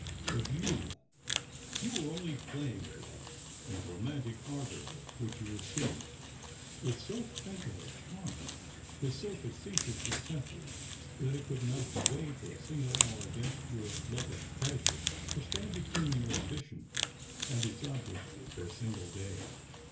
But you — you were only playing at love; and the romantic ardour which you assumed, with so fatal a charm, was so factitious a sentiment that it could not weigh for a single hour against your love of pleasure, or stand between your ambition and its object for a single day.